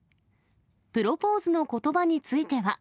プロポーズのことばについては。